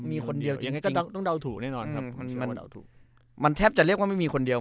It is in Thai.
มีคนเดียวจริงจริงต้องดาวถูกแน่นอนครับมันแทบจะเรียกว่าไม่มีคนเดียว